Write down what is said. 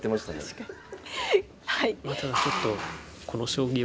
確かに。